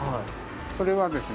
それはですね